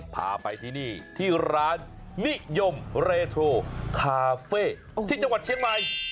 พาไปที่นี่ที่ร้านนิยมเรโทคาเฟ่ที่จังหวัดเชียงใหม่